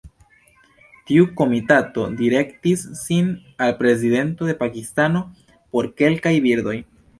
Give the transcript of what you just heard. Tiu komitato direktis sin al Prezidento de Pakistano por kelkaj birdoj.